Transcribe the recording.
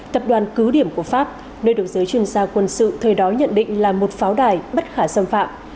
tập đoàn cứ điểm của pháp nơi được giới chuyên gia quân sự thời đói nhận định là một pháo đài bất khả xâm phạm